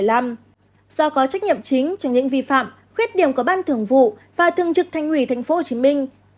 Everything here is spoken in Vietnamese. do có trách nhiệm chính trong những vi phạm khuyết điểm của ban thưởng vụ và thương trực thành quỷ thành phố hồ chí minh